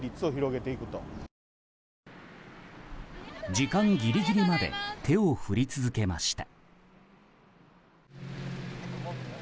時間ギリギリまで手を振り続けました。